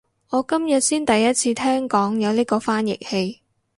我今日先第一次聽講有呢個翻譯器